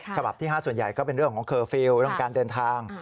ฉบับที่๕ส่วนใหญ่ก็เป็นเรื่องของเคอร์ฟิลล์เรื่องการเดินทาง